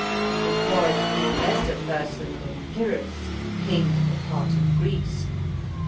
It was no less a person than Pyrrhus, king of a part of Greece.